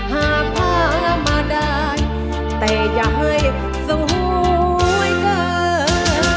หากพามาได้แต่อย่าให้ทรงหวยเกิน